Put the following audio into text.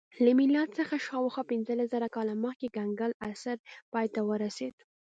له میلاد څخه شاوخوا پنځلس زره کاله مخکې کنګل عصر پای ته ورسېد